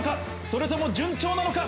それとも順調なのか？